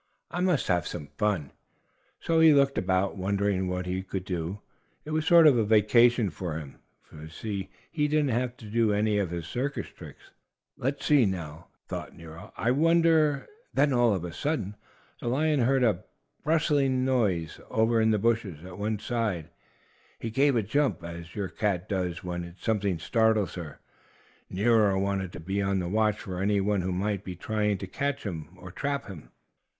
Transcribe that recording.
"I must have some fun." So he looked about, wondering what he would do. It was a sort of vacation for him, you see, as he did not have to do any of his circus tricks. "Let's see, now," thought Nero. "I wonder " And then, all of a sudden, the lion heard a rustling noise over in the bushes at one side. He gave a jump, just as your cat does when something startles her. Nero wanted to be on the watch for any one who might be trying to catch him or trap him.